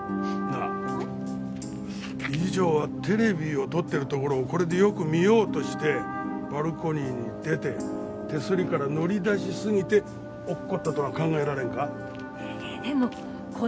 ん？理事長はテレビを撮ってるところをこれでよく見ようとしてバルコニーに出て手すりから乗り出しすぎて落っこちたとは考えられんか？